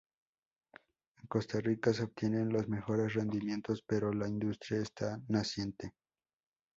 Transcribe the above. En Costa Rica, se obtienen los mejores rendimientos, pero la industria está naciente.